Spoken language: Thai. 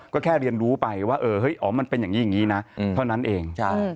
ก็แค่เรียนรู้ไปว่าเฮ้ยอ๋อมันเป็นอย่างนี้อย่างนี้นะเท่านั้นเอง